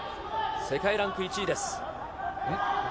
世界ランク１位です。